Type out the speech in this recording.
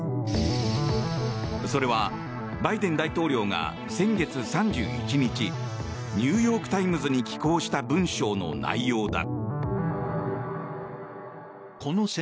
それは、バイデン大統領が先月３１日ニューヨーク・タイムズに寄稿した文章の内容だ。